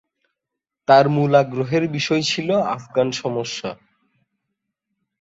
তার মূল আগ্রহের বিষয় ছিল আফগান সমস্যা।